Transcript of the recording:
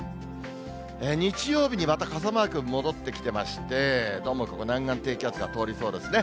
日曜日にまた傘マーク戻ってきてまして、どうもここ、南岸低気圧が通りそうですね。